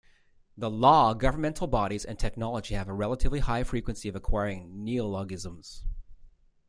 The law, governmental bodies, and technology have a relatively high frequency of acquiring neologisms.